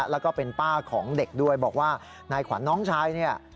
แล้วก็เป็นป้าของเด็กด้วยบอกว่านายขวัญน้องชายเนี่ย